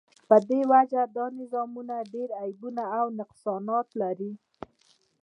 په دی وجه دا نظامونه ډیر عیبونه او نقصانات لری